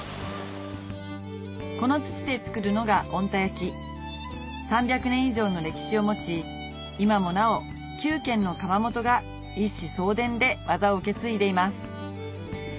この土で作るのが３００年以上の歴史を持ち今もなお９軒の窯元が一子相伝で技を受け継いでいます